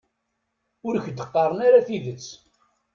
Ur k-d-qqaren ara tidet.